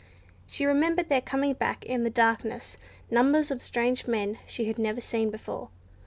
She remembered their coming back in the darkness; numbers of strange men she had never seen before.